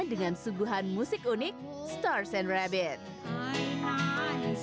dengan suguhan musik unik stars and rabbit